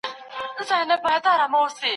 د قاضي عاید لا نور پسي زیاتېږي